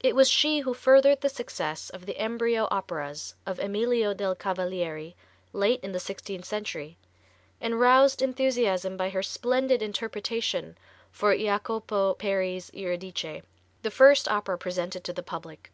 It was she who furthered the success of the embryo operas of Emilio del Cavalieri, late in the sixteenth century, and roused enthusiasm by her splendid interpretation for Jacopo Peri's "Eurydice," the first opera presented to the public.